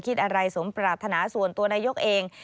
คิดอะไรสมปรารถนาส่วนตัวนายกเอง